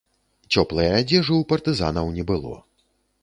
Цёплае адзежы ў партызанаў не было.